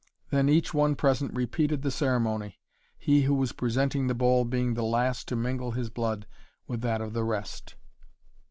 Then each one present repeated the ceremony, he who was presenting the bowl being the last to mingle his blood with that of the rest.